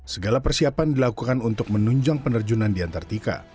segala persiapan dilakukan untuk menunjang penerjunan di antartika